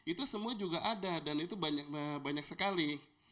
itu semua juga ada dan itu banyak sekali